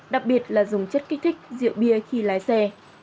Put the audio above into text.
đặc biệt là dùng chất kích thích rượu bia khi lái xe